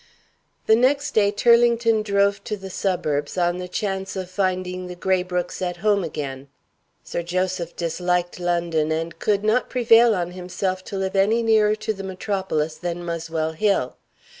The next day Turlington drove to the suburbs, on the chance of finding the Graybrookes at home again. Sir Joseph disliked London, and could not prevail on himself to live any nearer to the metropolis than Muswell Hill.